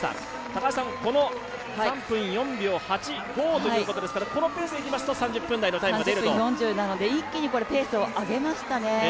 高橋さん、３分４秒８５ということですからこのペースでいきますと３０分４０なので、一気にペースを上げましたね。